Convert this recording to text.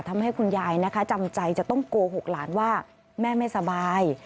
ทำให้คุณยายนะคะจำใจจะต้องโกหกหลานว่าแม่ไม่สบาย